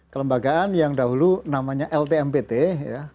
kelembagaan yang dahulu namanya ltmpt ya